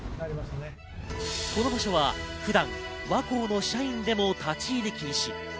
この場所は普段は和光の社員でも立ち入り禁止。